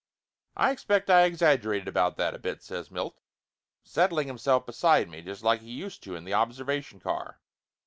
"I expect I exaggerated about that a bit," says Milt, settling himself beside me just like he used to in the observation car.